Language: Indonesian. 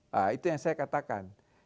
nah itu yang saya katakan